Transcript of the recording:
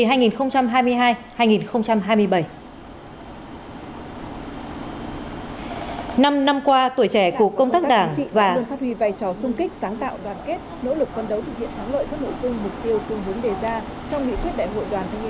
năm năm qua tuổi trẻ cục công tác đảng và công tác chính trị đã luôn phát huy vai trò sung kích sáng tạo đoàn kết nỗ lực quân đấu thực hiện thắng lợi các nội dung mục tiêu phương hướng đề ra trong nghị quyết đại hội đoàn thanh niên cộng sản hồ chí minh